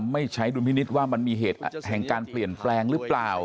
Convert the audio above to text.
ไม่ใช้ดุลพินิษฐ์ว่ามันมีเหตุแห่งการเปลี่ยนแปลงหรือเปล่า